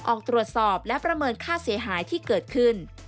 ออกตรวจสอบและประเมินค่าเสียหายที่เกิดขึ้น